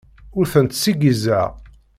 Ur tent-ssiggizeɣ.